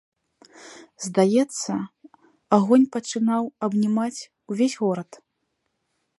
Здаецца, агонь пачынаў абнімаць увесь горад.